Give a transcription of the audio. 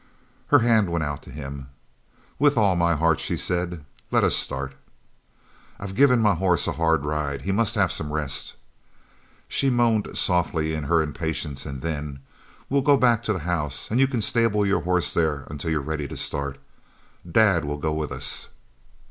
Her hand went out to him. "With all my heart," she said. "Let us start!" "I've given my horse a hard ride. He must have some rest." She moaned softly in her impatience, and then: "We'll go back to the house and you can stable your horse there until you're ready to start. Dad will go with us."